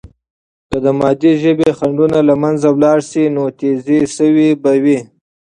که د مادی ژبې خنډونه له منځه ولاړ سي، نو تیزي سوې به وي.